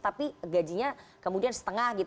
tapi gajinya kemudian setengah gitu